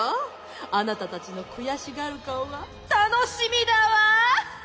あなたたちのくやしがるかおがたのしみだわ！